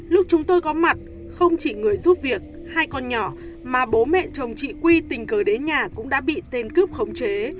lúc chúng tôi có mặt không chỉ người giúp việc hai con nhỏ mà bố mẹ chồng chị quy tình cờ đến nhà cũng đã bị tên cướp khống chế